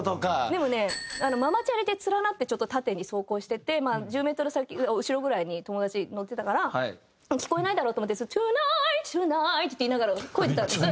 でもねママチャリで連なって縦に走行してて１０メートル後ろぐらいに友達乗ってたから聞こえないだろうと思って「Ｔｏｎｉｇｈｔ，ｔｏｎｉｇｈｔ」って言いながらこいでたんです。